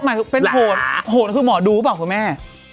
หมายถึงเป็นโหนโหนคือหมอดูบหรอคุณแม่